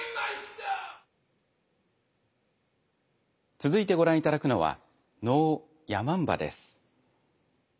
続いてご覧いただくのは能「山姥」です。